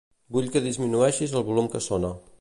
Vull que disminueixis el volum que sona.